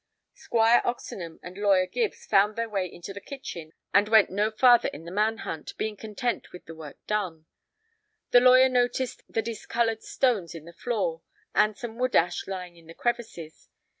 Squire Oxenham and Lawyer Gibbs found their way into the kitchen and went no farther in the man hunt, being content with the work done. The lawyer noticed the discolored stones in the floor and some wood ash lying in the crevices.